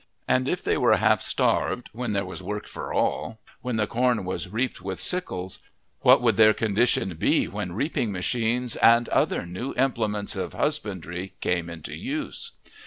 And if they were half starved when there was work for all, when the corn was reaped with sickles, what would their condition be when reaping machines and other new implements of husbandry came into use?